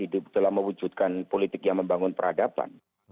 hidup dalam mewujudkan politik yang membangun peradaban